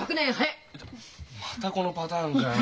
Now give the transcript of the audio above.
またこのパターンかよ。